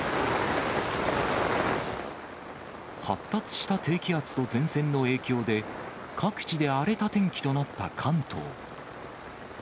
発達した低気圧と前線の影響で、各地で荒れた天気となった関東。